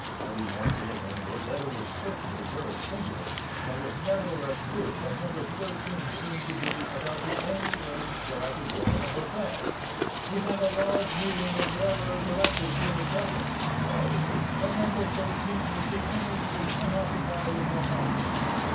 I remarked to the landlord that it was certainly very singular, but was nevertheless true, that "number thirteen" seemed to be about the only room that I could get in a hotel. "We have a large meeting of Railroad directors here at present," he replied, "and 'number thirteen' is the only room unoccupied in my house."